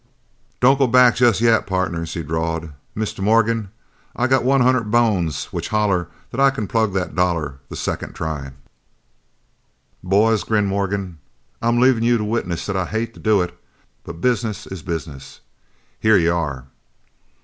"Don't go back jest yet, partners," he drawled. "Mister Morgan, I got one hundred bones which holler that I can plug that dollar the second try." "Boys," grinned Morgan, "I'm leavin' you to witness that I hate to do it, but business is business. Here you are!"